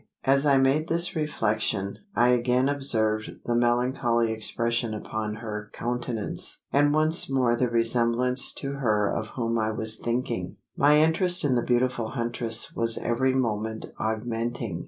As I made this reflection, I again observed the melancholy expression upon her countenance; and once more the resemblance to her of whom I was thinking! My interest in the beautiful huntress was every moment augmenting.